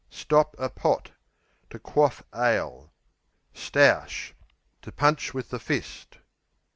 Stop a pot To quaff ale. Stoush To punch with the fist.